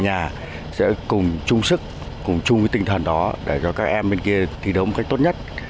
nhà sẽ cùng chung sức cùng chung với tinh thần đó để cho các em bên kia thi đấu một cách tốt nhất